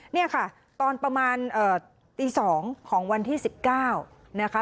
นี่ค่ะตอนประมาณตี๒ของวันที่๑๙นะคะ